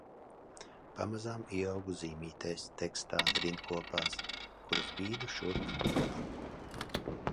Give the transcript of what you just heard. Pamazām ieaugu zīmītēs, tekstā, rindkopās, kuras bīdu šurpu turpu.